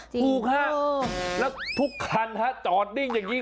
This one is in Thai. ถูกฮะแล้วทุกคันฮะจอดนิ่งอย่างนี้